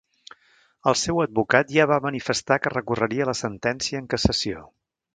El seu advocat ja va manifestar que recorreria la sentència en cassació.